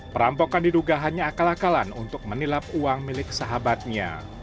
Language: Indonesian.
perampokan diduga hanya akal akalan untuk menilap uang milik sahabatnya